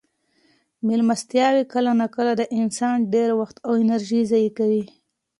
مېلمستیاوې کله ناکله د انسان ډېر وخت او انرژي ضایع کوي.